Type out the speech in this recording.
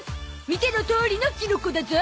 見てのとおりのキノコだゾ